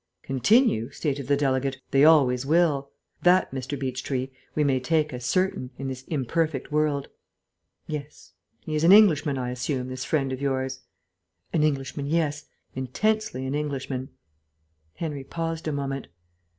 "Continue," stated the delegate, "they always will. That, Mr. Beechtree, we may take as certain, in this imperfect world. Yes.... He's an Englishman, I assume, this friend of yours?" "An Englishman, yes. Intensely an Englishman." Henry paused a moment.